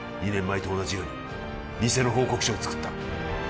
２年前と同じように偽の報告書を作った